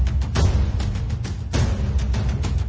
ต่อไปคือผิดในทางชนะนั้นไปนะครับ